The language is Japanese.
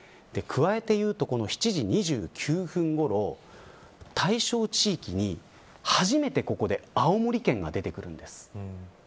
加えて言うと７時２９分ごろ対象地域に初めてここで青森県が出てくるんです。